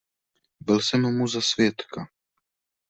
Byl jsem mu za svědka.